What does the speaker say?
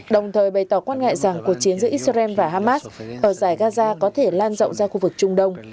đồng thời bày tỏ quan ngại rằng cuộc chiến giữa israel và hamas ở giải gaza có thể lan rộng ra khu vực trung đông